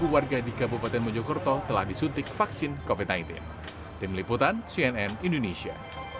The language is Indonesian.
delapan ratus lima belas warga di kabupaten mojokerto telah disuntik vaksin covid sembilan belas tim liputan cnn indonesia